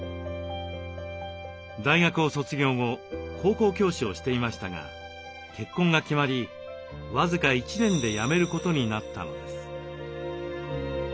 大学を卒業後高校教師をしていましたが結婚が決まり僅か一年で辞めることになったのです。